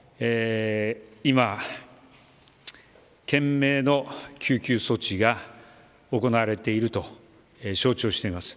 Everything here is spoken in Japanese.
今、懸命の救急措置が行われていると承知をしています。